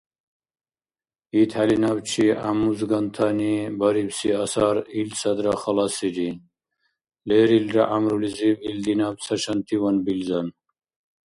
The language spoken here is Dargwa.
ИтхӀели набчи гӀяммузгантани барибси асар илцадра халасири – лерилра гӀямрулизиб илди наб цашантиван билзан.